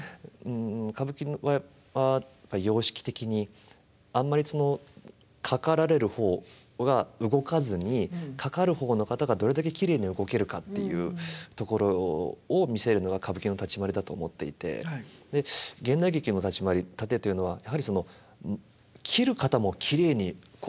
歌舞伎の場合は様式的にあんまりかかられる方が動かずにかかる方の方がどれだけきれいに動けるかっていうところを見せるのが歌舞伎の立ち回りだと思っていてで現代劇の立ち回り殺陣というのはやはりその斬る方もきれいにこう動く。